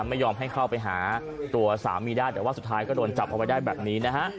ไม่ยอมให้เข้าไปหาตัวสามีได้แต่ว่าสุดท้ายก็โดนจับเอาไว้ได้แบบนี้นะฮะ